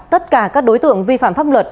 tất cả các đối tượng vi phạm pháp luật